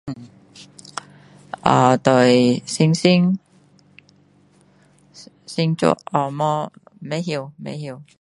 啊对星星星座呃没不懂不懂